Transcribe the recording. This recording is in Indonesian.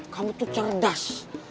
kamu tuh cerdas